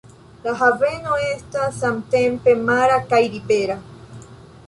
La haveno estas samtempe mara kaj rivera.